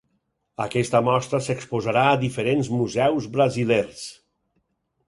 Aquesta mostra s'exposarà a diferents museus brasilers.